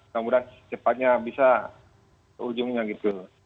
kemudian cepatnya bisa ke ujungnya gitu